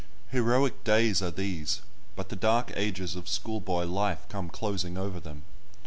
Heroic days are these, but the dark ages of schoolboy life come closing over them.